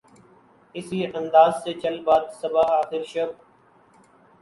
اسی انداز سے چل باد صبا آخر شب